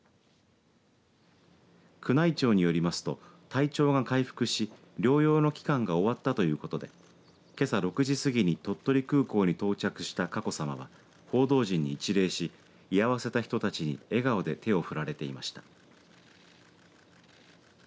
宮内庁によりますと体調が回復し療養の期間が終わったということでけさ６時過ぎに鳥取空港に到着した佳子さまは報道陣に一礼し居合わせた人たちに笑顔で手を振られていました。